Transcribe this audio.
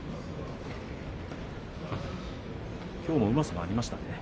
きょうもうまさがありましたね。